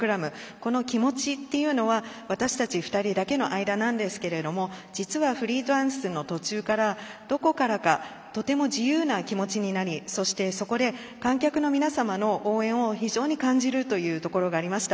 この気持ちというのは私たち２人だけの間なんですけど実はフリーダンスの途中からどこからかとても自由な気持ちになりそして、そこで観客の皆様の応援を非常に感じるというところがありました。